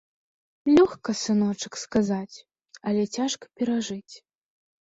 Лёгка, сыночак, сказаць, але цяжка перажыць.